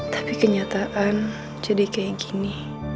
tapi kenyataan jadi kayak gini